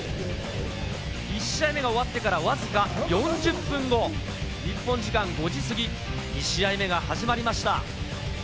１試合目が終わってからわずか４０分後、日本時間５時過ぎ、２試合目が始まりました。